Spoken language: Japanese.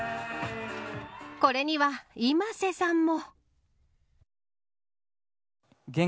これにはｉｍａｓｅさんも。